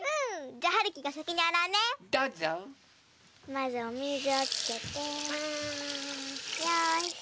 まずおみずをつけてよし。